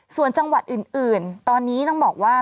ส่วนจังหวัดอื่นตอนนี้ต้องบอกว่า